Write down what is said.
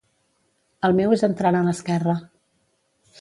El meu és entrant a l'esquerra